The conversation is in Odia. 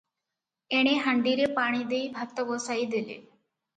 ଏଣେ ହାଣ୍ଡିରେ ପାଣିଦେଇ ଭାତବସାଇ ଦେଲେ ।